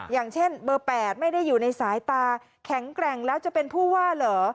อย่างเช่นเบอร์๘ไม่ได้อยู่ในสายตาแข็งแกร่งแล้วจะเป็นผู้ว่าเหรอ